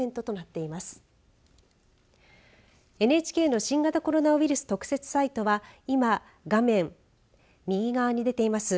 ＮＨＫの新型コロナウイルス特設サイトは今、画面右側に出ています